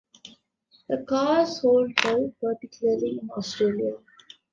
The car sold well, particularly in Australia.